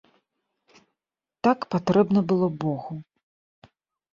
Так патрэбна было богу.